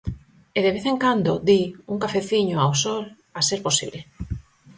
E de vez en cando, di, un cafeciño, ao sol, a ser posible.